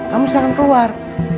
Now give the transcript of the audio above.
kamu silahkan keluar